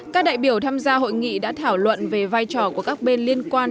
các đại biểu tham gia hội nghị đã thảo luận về vai trò của các bên liên quan